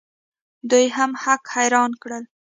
دوی هم هک حیران کړل.